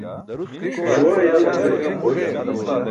Śuwaa yal ce oośin.